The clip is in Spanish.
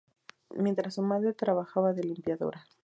Mientras su madre trabajaba de limpiadora.